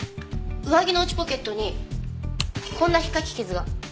上着の内ポケットにこんなひっかき傷が。